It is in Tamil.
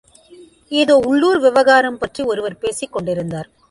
ஏதோ உள்ளுர் விவகாரம் பற்றி ஒருவர் பேசிக் கொண்டிருந்தார்.